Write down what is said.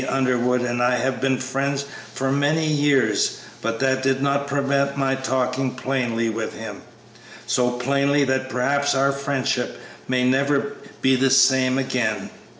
D. K. Underwood and I have been friends for many years, but that did not prevent my talking plainly with him so plainly that perhaps our friendship may never be the same again.